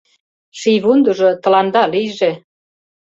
Шийвундыжо тыланда лийже